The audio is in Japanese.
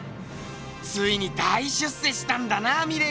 ついに大出世したんだなミレーちゃん。